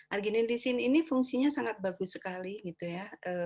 argenin lisin ini fungsinya sangat bagus sekali gitu ya